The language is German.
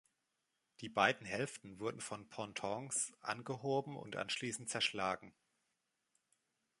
Die beiden Hälften wurden von Pontons angehoben und anschließend zerschlagen.